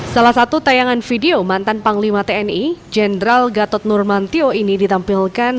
salah satu tayangan video mantan panglima tni jenderal gatot nurmantio ini ditampilkan